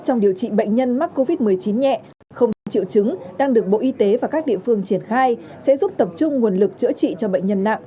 cho các bệnh nhân f không triệu chứng hoặc các f một có liên quan đang phải cách ly tại nhà